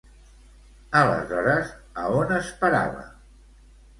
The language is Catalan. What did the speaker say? Aleshores, a on es parava?